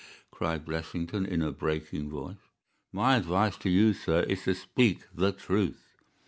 cried Blessington, in a breaking voice. "My advice to you, sir, is to speak the truth."